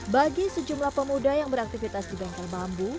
bagi sejumlah pemuda yang beraktivitas di gangkal bambu